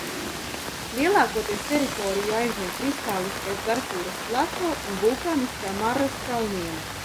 Lielākoties teritoriju aizņem kristāliskais Dārfūras plato un vulkāniskā Marras kalniene.